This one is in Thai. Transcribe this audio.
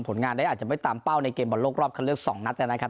ผลงานได้อาจจะไม่ตามเป้าในเกมบอลโลกรอบคันเลือก๒นัดนะครับ